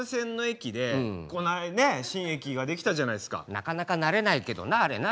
なかなか慣れないけどなあれな。